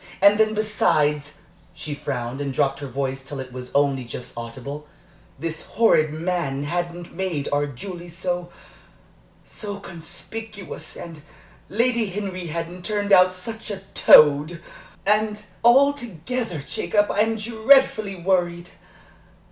And then, besides" she frowned and dropped her voice till it was only just audible "this horrid man hadn't made our Julie so so conspicuous, and Lady Henry hadn't turned out such a toad and, altogether, Jacob, I'm dreadfully worried."